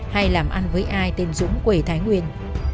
hay làm ăn với ai tên dũng quê thái nguyên